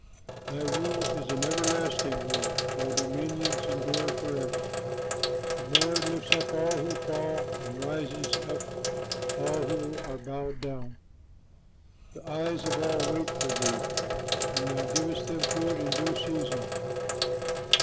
Thy rule is an everlasting rule, Thy dominion endures forever. The Lord lifts up all who fall, And raises up all who are bowed down. The eyes of all wait for thee, And thou givest them food in due season.